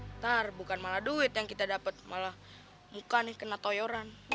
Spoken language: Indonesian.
ntar bukan malah duit yang kita dapat malah muka nih kena toyoran